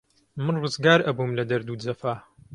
من ڕزگار ئەبووم لە دەرد و جەفا